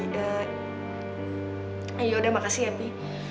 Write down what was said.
yaudah makasih ya pi